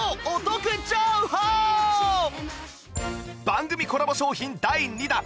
番組コラボ商品第２弾